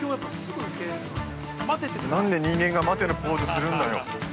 なんで人間が待てのポーズをするんだよ。